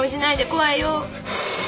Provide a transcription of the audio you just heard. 怖いよ。